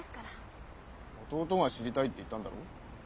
弟が「知りたい」って言ったんだろ？